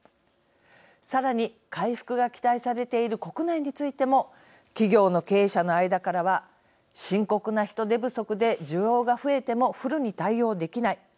さらに、回復が期待されている国内についても企業の経営者の間からは深刻な人手不足で需要が増えてもフルに対応できない。